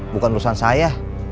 bukan urusan saya